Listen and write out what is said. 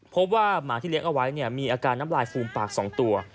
หมาที่เลี้ยงเอาไว้มีอาการน้ำลายฟูมปาก๒ตัว